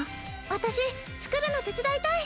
私作るの手伝いたい。